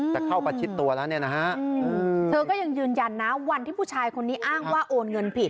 แต่เข้าประชิดตัวแล้วเนี่ยนะฮะเธอก็ยังยืนยันนะวันที่ผู้ชายคนนี้อ้างว่าโอนเงินผิด